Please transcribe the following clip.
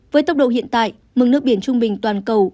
với tốc độ hiện tại mừng nước biển trung bình toàn cầu